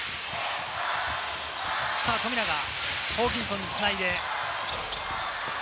富永からホーキンソンに繋いで。